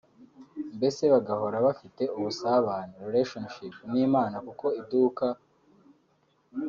Mbese bagahora bafite ubusabane (Relationship) n’Imana kuko idukunda twese kandi na yo irabyifuza